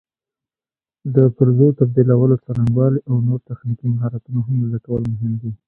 د پرزو تبدیلولو څرنګوالي او نور تخنیکي مهارتونه هم زده کول مهم دي.